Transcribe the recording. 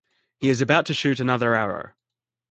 He is about to shoot another arrow.